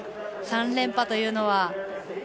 ３連覇というのは。